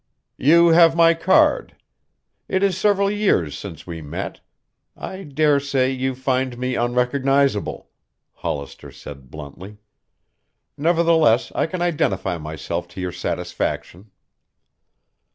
"You have my card. It is several years since we met. I dare say you find me unrecognizable," Hollister said bluntly. "Nevertheless I can identify myself to your satisfaction."